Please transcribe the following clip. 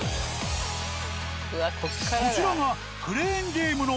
こちらが。